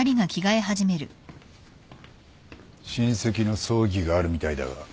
親戚の葬儀があるみたいだが。